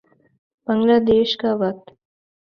بنگلہ دیش کا وقت